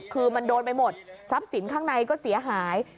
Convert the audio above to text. คือมันโดนไปหมดทรัพย์สินข้างในก็เสียหาย